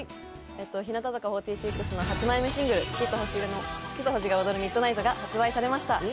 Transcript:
日向坂４６の８枚目シングル「月と星が踊るＭｉｄｎｉｇｈｔ」が発売されました。